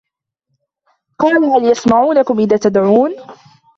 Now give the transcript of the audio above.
قال هل يسمعونكم إذ تدعون